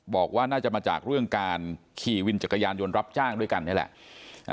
บอกว่าน่าจะมาจากเรื่องการขี่วินจักรยานยนต์รับจ้างด้วยกันนี่แหละ